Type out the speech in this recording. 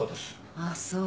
ああそう。